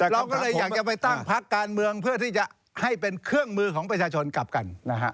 เราก็เลยอยากจะไปตั้งพักการเมืองเพื่อที่จะให้เป็นเครื่องมือของประชาชนกลับกันนะฮะ